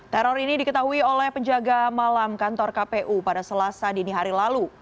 teror ini diketahui oleh penjaga malam kantor kpu pada selasa dini hari lalu